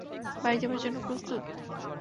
বাড়ি যাবার জন্য প্রস্তুত?